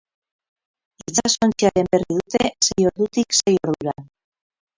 Itsasontziaren berri dute sei ordutik sei ordura.